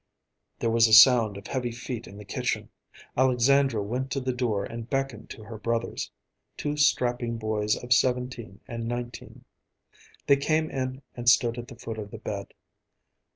There was a sound of heavy feet in the kitchen. Alexandra went to the door and beckoned to her brothers, two strapping boys of seventeen and nineteen. They came in and stood at the foot of the bed.